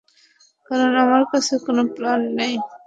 কারণ আমার কাছে কোনো প্ল্যান নেই।